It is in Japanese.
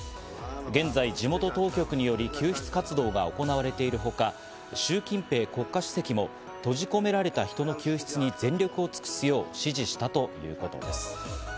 現在、地元当局により救出活動が行われているほか、シュウ・キンペイ国家主席も閉じ込められた人の救出に全力を尽くすよう指示したということです。